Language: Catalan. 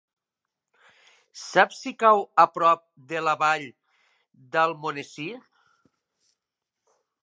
Saps si cau a prop de la Vall d'Almonesir?